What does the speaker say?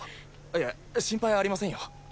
いえ心配ありませんよ。